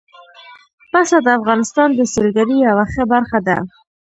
پسه د افغانستان د سیلګرۍ یوه ښه برخه ده.